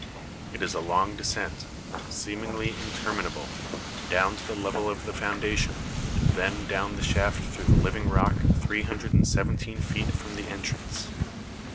It is a long descent, seemingly interminable, down to the level of the foundation, and then down the shaft through the living rock 317 feet from the entrance.